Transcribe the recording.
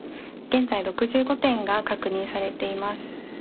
現在６５点が確認されています。